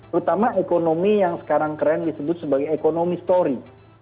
terutama ekonomi yang sekarang keren disebut sebagai ekonomi story